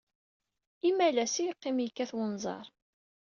Imalas ay yeqqim yekkat wenẓar.